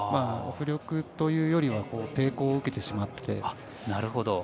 浮力というよりは抵抗を受けてしまって。